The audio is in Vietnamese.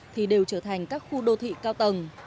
thì đều trở thành các khu đô thị cao tầng